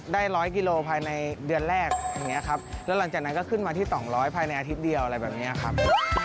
ได้ร้อยกิโลภายในเดือนแรกนะครับและหลังจากนั้นก็ขึ้นมาที่๒๐๐ฟิลละครับ